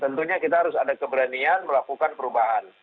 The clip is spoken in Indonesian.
tentunya kita harus ada keberanian melakukan perubahan